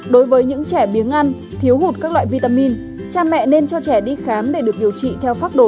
đối với những trẻ biếng ăn thiếu hụt các loại vitamin cha mẹ nên cho trẻ đi khám để được điều trị theo pháp đồ